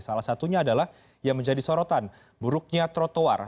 salah satunya adalah yang menjadi sorotan buruknya trotoar